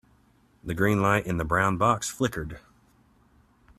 The green light in the brown box flickered.